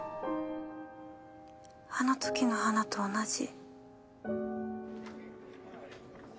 あの時の花と同じ。